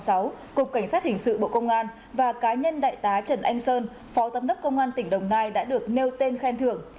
cục cảnh sát hình sự bộ công an và cá nhân đại tá trần anh sơn phó giám đốc công an tỉnh đồng nai đã được nêu tên khen thưởng